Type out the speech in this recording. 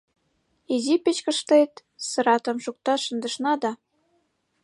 Изи печкешет сыратым шукташ шындышна да